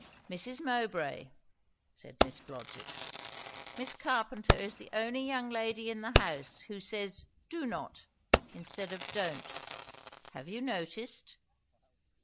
"Mrs. Mowbray," said Miss Blodgett, "Miss Carpenter is the only young lady in the house who says 'do not' instead of don't; have you noticed?"